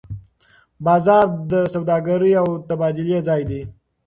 بازار د سوداګرۍ او تبادلې ځای دی.